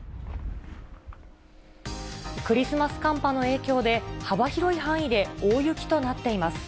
クリスマス寒波の影響で、幅広い範囲で大雪となっています。